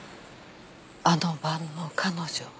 あの晩の彼女。